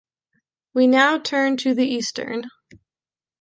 We now turn to the eastern.